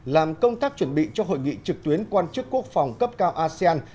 làm công tác chuẩn bị cho hội nghị trực tuyến quan chức quốc phòng cấp cao asean